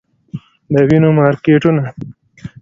د وینګو مارکیټونه